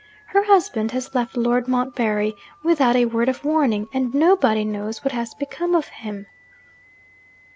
Her husband has left Lord Montbarry, without a word of warning and nobody knows what has become of him.'